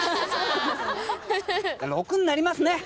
６んなりますね。